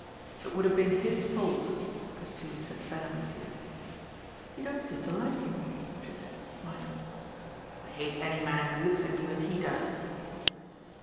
"It would have been his fault," Castoon said venomously. "You don't seem to like him," she said smiling. "I hate any man who looks at you as he does."